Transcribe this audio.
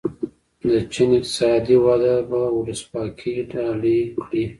د چین اقتصادي وده به ولسواکي ډالۍ کړي.